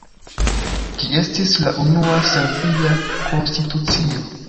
Ĝi estis la unua serbia konstitucio.